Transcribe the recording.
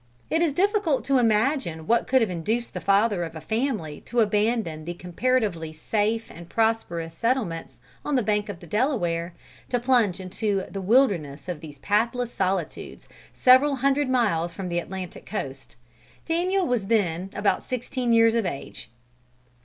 It is difficult to imagine what could have induced the father of a family to abandon the comparatively safe and prosperous settlements on the banks of the Delaware, to plunge into the wilderness of these pathless solitudes, several hundred miles from the Atlantic coast. Daniel was then about sixteen years of age.